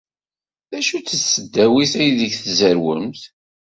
D acu-tt tesdawit aydeg tzerrwemt?